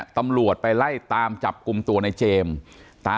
ตำรวจไปไล่ตามจับกลุ่มตัวในเจมส์